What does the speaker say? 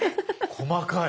細かい。